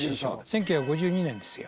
１９５２年ですよ